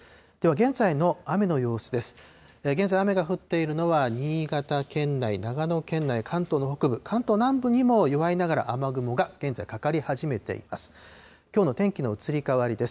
現在、雨が降っているのは新潟県内、長野県内、関東の北部、関東南部にも弱いながら雨雲が現在かかり始めています。